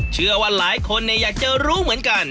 เชื่อว่าหลายคนอยากจะรู้เหมือนกัน